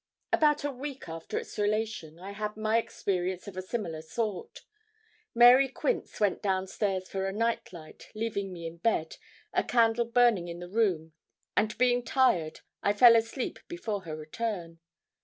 About a week after its relation, I had my experience of a similar sort. Mary Quince went down stairs for a night light, leaving me in bed, a candle burning in the room, and being tired, I fell asleep before her return.